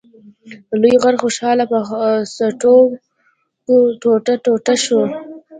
لوی غر خوشحال په څټکو ټوټه ټوټه شو.